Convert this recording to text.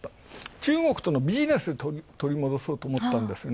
中国とのビジネスで取り戻そうと思ったんですね。